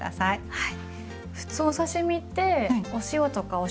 はい。